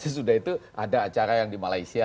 sesudah itu ada acara yang di malaysia